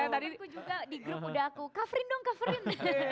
tadi di grup juga udah aku coverin dong coverin